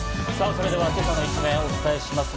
それでは今朝の一面をお伝えします。